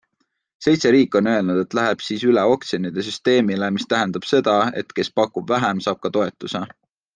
Seitse riiki on öelnud, et läheb siis üle oksjonite süsteemile, mis tähendab seda, et kes pakub vähem, saab ka toetuse.